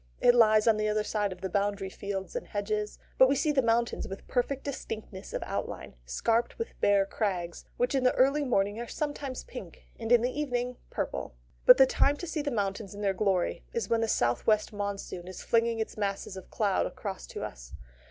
It lies on the other side of the boundary fields and hedges; but we see the mountains with perfect distinctness of outline, scarped with bare crags, which in the early morning are sometimes pink, and in the evening, purple. But the time to see the mountains in their glory is when the south west monsoon is flinging its masses of cloud across to us.